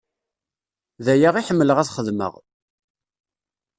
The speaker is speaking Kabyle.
D aya i ḥemmleɣ ad xedmeɣ.